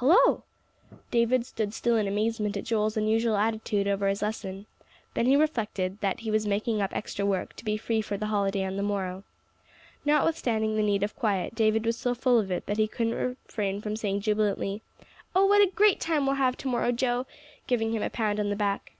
"Hullo!" David stood still in amazement at Joel's unusual attitude over his lesson. Then he reflected that he was making up extra work, to be free for the holiday on the morrow. Notwithstanding the need of quiet, David was so full of it that he couldn't refrain from saying jubilantly, "Oh, what a great time we'll have to morrow, Joe!" giving him a pound on the back.